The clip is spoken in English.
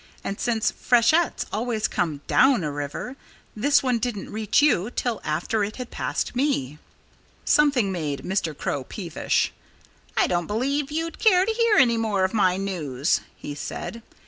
"And since freshets always come down a river, this one didn't reach you till after it had passed me." Something made Mr. Crow peevish. "I don't believe you'd care to hear any more of my news," he said.